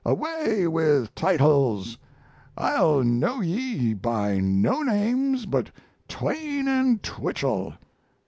Away with titles I'll know ye by no names but Twain and Twichell!"